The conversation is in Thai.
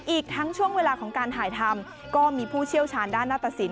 อีกทั้งช่วงเวลาของการถ่ายทำก็มีผู้เชี่ยวชาญด้านหน้าตสิน